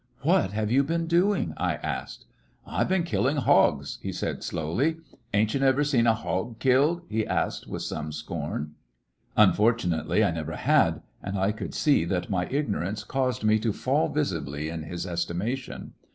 "What have you been doing!" I asked. "I 've been killin' hogs," he said slowly. "Ain't you never seen a hog killed t " he asked with some scorn. 37 Hecottections of a Unfortunately I never had, and I could see that my ignorance caused me to fall visibly in his estimation.